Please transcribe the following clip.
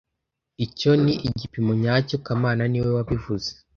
Icyo ni igipimo nyacyo kamana niwe wabivuze